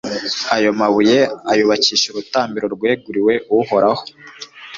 Ayo mabuye ayubakisha urutambiro rweguriwe Uhoraho